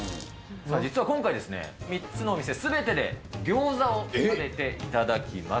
実は今回、３つのお店、すべてで餃子を食べていただきます。